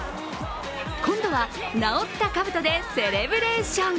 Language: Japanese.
今度は直ったかぶとでセレブレーション。